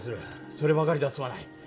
そればかりでは済まない。